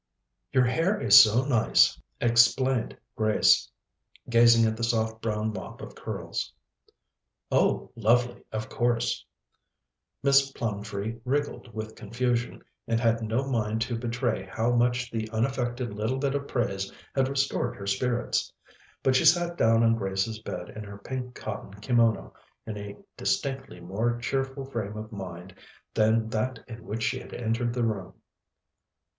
"Your hair is so nice," explained Grace, gazing at the soft brown mop of curls. "Oh, lovely, of course." Miss Plumtree wriggled with confusion, and had no mind to betray how much the unaffected little bit of praise had restored her spirits. But she sat down on Grace's bed in her pink cotton kimono in a distinctly more cheerful frame of mind than that in which she had entered the room.